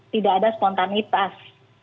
tidak ada spontanitas